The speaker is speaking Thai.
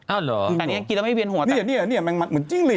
อ้าวเหรอแต่เนี้ยกินแล้วไม่เวียนหัวเนี้ยเนี้ยเนี้ยแมงมันเหมือนจิ้งหลิง